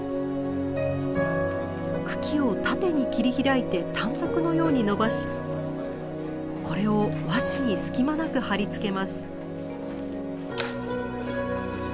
茎を縦に切り開いて短冊のようにのばしこれを和紙に隙間なく貼り付けます。